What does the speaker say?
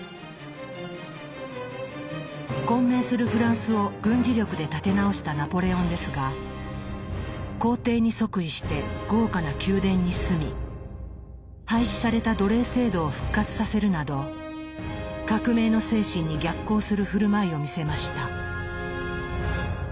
混迷するフランスを軍事力で立て直したナポレオンですが皇帝に即位して豪華な宮殿に住み廃止された奴隷制度を復活させるなど革命の精神に逆行する振る舞いを見せました。